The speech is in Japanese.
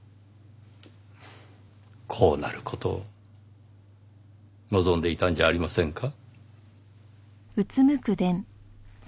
こうなる事を望んでいたんじゃありませんか？